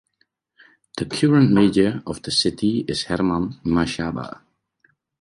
The current mayor of the city is Herman Mashaba.